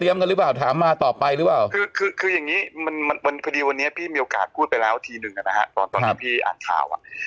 อีกนิดนึงแล้วกันเผื่อว่าคนจะ